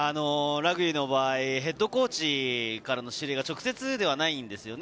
ラグビーの場合、ヘッドコーチからの指示が直接ではないんですよね。